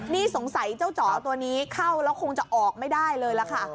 นี่สงสัยเจ้าจ๋อตัวนี้เข้าแล้วคงจะออกไม่ได้เลยล่ะค่ะ